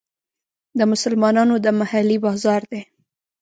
د مسلمانانو د محلې بازار دی.